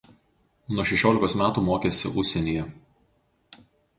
Nuo šešiolikos metų mokėsi užsienyje.